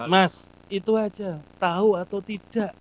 mas itu aja tahu atau tidak